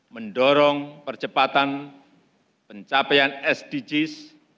mendorong percepatan pencapaian sdgs